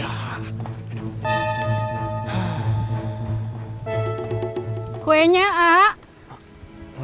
ya aku mau ke pasar cihidung